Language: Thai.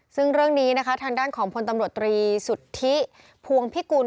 ซึ่งเรื่องนี้นะคะทางด้านของพลตำรวจตรีสุทธิพวงพิกุล